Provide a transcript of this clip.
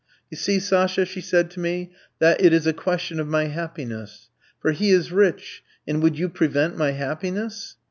'You see, Sasha,' she said to me, 'that it is a question of my happiness; for he is rich, and would you prevent my happiness?'